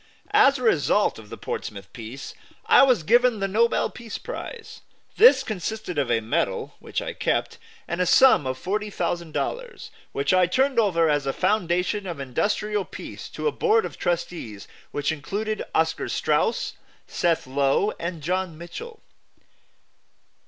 As a result of the Portsmouth peace, I was given the Nobel Peace Prize. This consisted of a medal, which I kept, and a sum of $40,000, which I turned over as a foundation of industrial peace to a board of trustees which included Oscar Straus, Seth Low and John Mitchell.